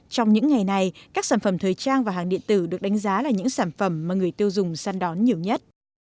trong những ngày này các sản phẩm thời trang và hàng điện tử được đánh giá là những sản phẩm mà người tiêu dùng săn đón nhiều nhất